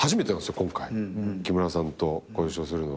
今回木村さんとご一緒するのは。